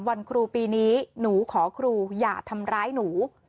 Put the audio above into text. วันครูปีนี้หนูขอครูอย่าทำร้ายหนู